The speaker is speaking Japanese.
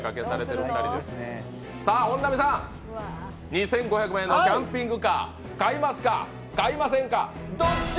本並さん、２５００万円のキャンピングカー、買いますか、買いませんかどっち？